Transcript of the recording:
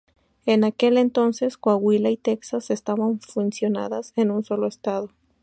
En aquel entonces Coahuila y Texas estaban fusionadas en un solo estado.